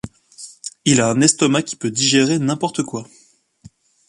Il a un estomac qui peut digérer n'importe quoi.